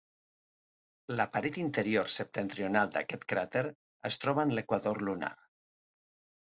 La paret interior septentrional d'aquest cràter es troba en l'equador lunar.